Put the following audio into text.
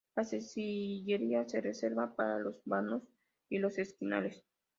La sillería se reserva para los vanos y los esquinales.